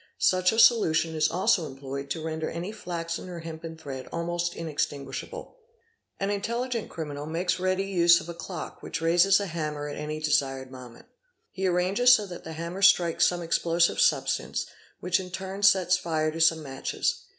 Such a solution is also employed to render any flaxen or hempen thread almost inextinguishable. 107 850 ARSON An intelligent criminal makes ready use of a clock which raises a hammer at any desired moment; he arranges so that the hammer strikes some explosive substance, which in turn sets fire to some matches.